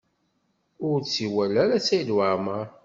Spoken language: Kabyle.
Ur tt-iwala ara Saɛid Waɛmaṛ.